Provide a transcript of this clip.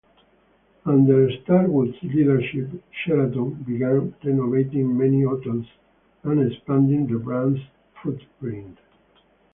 Under Starwood's leadership, Sheraton began renovating many hotels and expanding the brand's footprint.